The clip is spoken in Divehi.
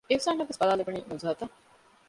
އިޙުސާނަށް ވެސް ބަލާލެވުނީ ނުޒުހަތަށް